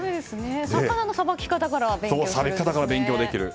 魚のさばき方から勉強できると。